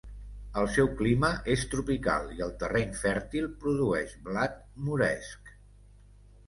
El seu clima és tropical i el terreny fèrtil produeix blat, moresc.